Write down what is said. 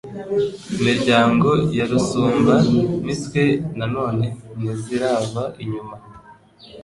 Iminyago ya Rusumba-mitwe, Na none ntizirava inyuma